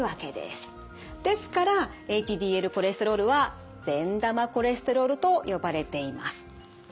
ですからＨＤＬコレステロールは善玉コレステロールと呼ばれています。